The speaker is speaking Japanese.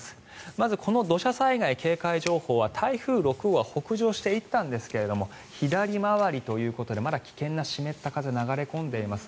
まずこの土砂災害警戒情報は台風６号は北上していったんですが左回りということでまだ危険な湿った風が流れ込んでいます。